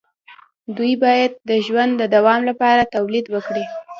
دوی باید د ژوند د دوام لپاره تولید وکړي.